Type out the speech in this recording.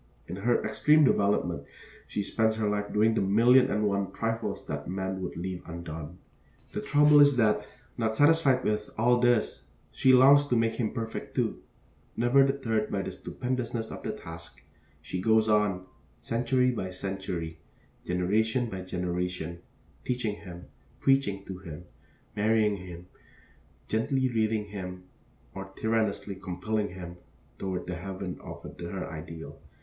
In her extreme development she spends her life doing the million and one trifles that man would leave undone. The trouble is that, not satisfied with all this, she longs to make him perfect, too. Never deterred by the stupendousness of the task, she goes on, century by century, generation by generation, teaching him, preaching to him, marrying him; gently leading him or tyrannously compelling him toward the heaven of her ideal.